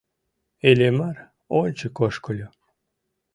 Иллимар ончык ошкыльо.